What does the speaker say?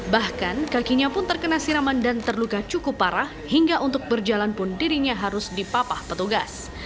bahkan kakinya pun terkena siraman dan terluka cukup parah hingga untuk berjalan pun dirinya harus dipapah petugas